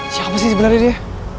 siapa sih sebenernya dia